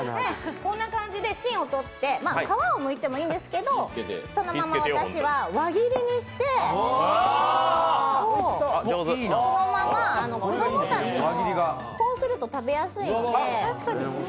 こんな感じで芯を取って皮をむいてもいいんですけどそのまま私は輪切りにして、このまま子供たちもこうすると食べやすいので。